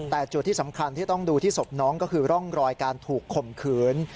แต่จุดที่สำคัญที่ต้องดูที่ศพน้องก็คือร่องรอยการถูกข่มขืน